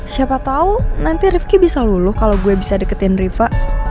siapa tau nanti rifqi bisa luluh kalo gue bisa deketin riva